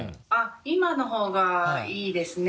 今のほうがいいですね。